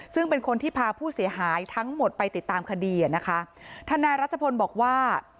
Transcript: ซึ่งเป็นคนที่พาผู้เสียหายทั้งหมดไปติดตามคดีอ่ะนะคะทนายรัชพลบอกว่า